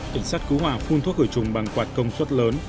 cảnh sát cứu hòa phun thuốc gửi chùng bằng quạt công suất lớn